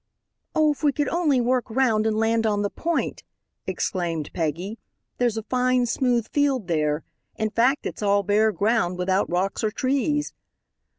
"Oh, if we could only work round and land on the point," exclaimed Peggy. "There's a fine, smooth field there; in fact, it's all bare ground, without rocks or trees."